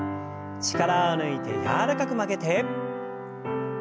力を抜いて柔らかく曲げて反らせて。